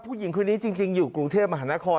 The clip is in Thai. ผู้หญิงคนนี้จริงอยู่กรุงเทพมหานคร